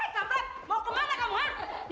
eh sampai mau ke mana kamu